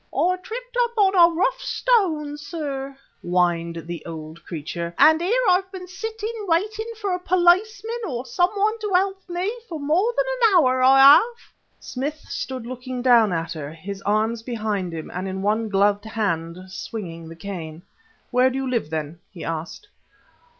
"I tripped up on a rough stone, sir," whined the old creature, "and here I've been sitting waiting for a policeman or someone to help me, for more than an hour, I have." Smith stood looking down at her, his arms behind him, and in one gloved hand swinging the cane. "Where do you live, then?" he asked.